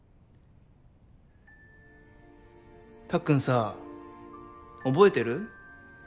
たっくんさ覚えてる？